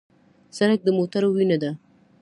سړک د موټرو وینه ده.